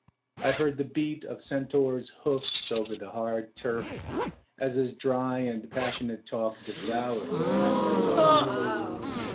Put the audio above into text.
I heard the beat of centaur's hoofs over the hard turf As his dry and passionate talk devoured the afternoon.